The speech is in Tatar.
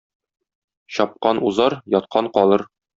Чапкан узар, яткан калыр.